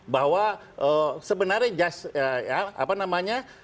bahwa sebenarnya just apa namanya